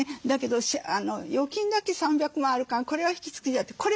だけど預金だけ３００万あるからこれは引き継ぐよって。